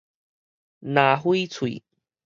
藍翡翠